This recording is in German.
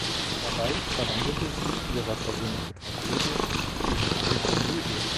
Dabei verwandelte sie ihre persönliche Tragödie in eine Komödie.